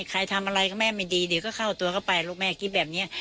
ใครทำอะไรก็แม่ไม่ดีเดี๋ยวก็เข้าตัวเข้าไปลูกแม่คิดแบบนี้